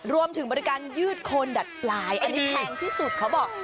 รวมถึงบริการยืดโคนดัดปลายอันนี้แพงที่สุดเขาบอก